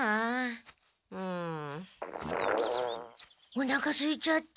おなかすいちゃった。